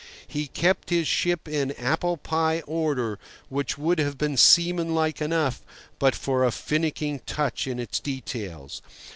He kept his ship in apple pie order, which would have been seamanlike enough but for a finicking touch in its details.